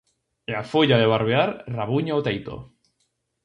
E a folla de barbear rabuña o teito.